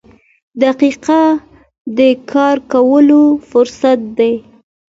• دقیقه د کار کولو فرصت دی.